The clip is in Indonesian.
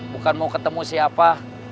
bukan mau ketemu siapa